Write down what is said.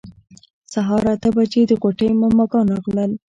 سهار اته بجې د غوټۍ ماما ګان راغلل.